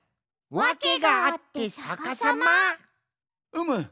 わけがあってさかさま？うむ。